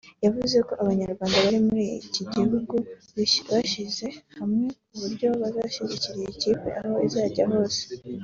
yavuze ko abanyarwanda bari muri iki gihugu bishyize hamwe ku buryo bazashyigikira iyi kipe aho izajya hose